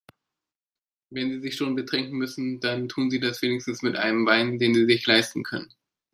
Wenn Sie sich schon betrinken müssen, dann tun Sie das wenigstens mit einem Wein, den Sie sich leisten können.